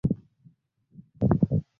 ambao unaweza ku ku kuongoza